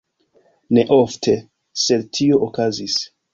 Ne ofte, sed tio okazis.